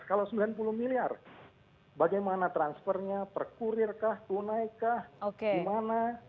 kalau sembilan puluh miliar bagaimana transfernya perkurirkah tunai kah gimana fitrinya